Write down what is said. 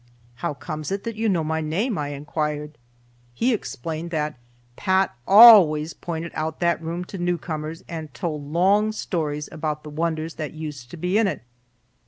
"How comes it that you know my name?" I inquired. He explained that "Pat always pointed out that room to newcomers and told long stories about the wonders that used to be in it."